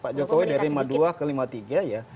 pak jokowi dari lima puluh dua ke lima puluh tiga ya